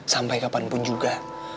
sampai kapanpun juga